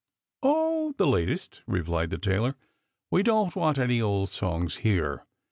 Oh ! the latest," replied the tailor. " We don't want any old songs here."